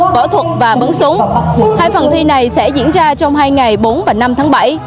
hai phần thi này sẽ diễn ra trong hai ngày bốn và năm tháng bảy